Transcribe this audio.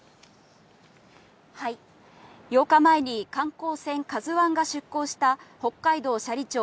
８日前に観光船「ＫＡＺＵ１」が出航した北海道斜里町